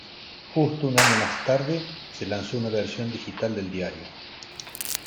Justo un año más tarde, se lanzó una versión digital del diario.